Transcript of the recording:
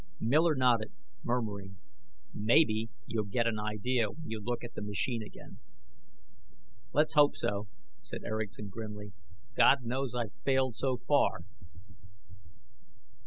Miller nodded, murmuring: "Maybe you'll get an idea when you look at the machine again." "Let's hope so," said Erickson grimly. "God knows I've failed so far!"